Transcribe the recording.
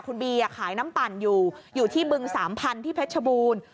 คุณบีขายน้ำปั่นอยู่อยู่ที่บึงสามพันธุ์ที่เพชรบูรณ์